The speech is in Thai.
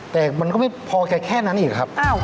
แต่มันก็ไม่พอแกแค่นั้นอีกครับ